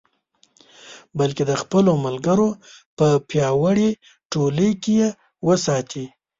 بلکې د خپلو ملګرو په پیاوړې ټولۍ کې یې وساته.